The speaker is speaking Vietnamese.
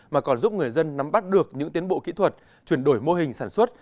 mà còn giúp người dân nắm bắt được những tiến bộ kỹ thuật chuyển đổi mô hình sản xuất